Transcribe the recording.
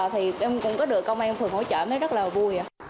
thì em cũng có được công an phường hỗ trợ em rất là buồn